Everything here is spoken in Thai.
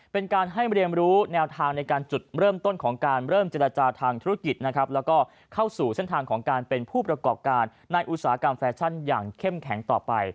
เป็นการให้เรียนรู้แนวทางในการจุดเริ่มต้นของการเริ่มเจรจาทางธุรกิจนะครับแล้วก็เข้าสู่เส้นทางของการเป็นผู้ประกอบการในอุตสาหกรรมแฟชั่นอย่างเข้มแข็งต่อไป